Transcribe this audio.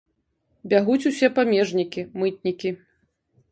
Бягуць усе памежнікі, мытнікі.